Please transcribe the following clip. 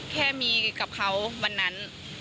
แค่มีกับเขาวันนั้น